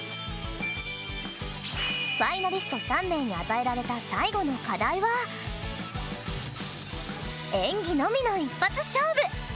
ファイナリスト３名に与えられた最後の課題は演技のみの一発勝負。